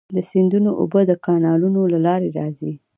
د سیندونو اوبه د کانالونو له لارې راځي.